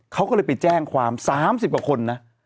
เขาก็เลยไปแจ้งความ๓๐กว่าคนนะ